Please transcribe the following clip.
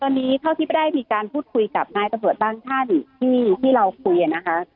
ตอนนี้เท่าที่ไม่ได้มีการพูดคุยกับนายตะเผือต้านท่านที่เราคุยนะครับ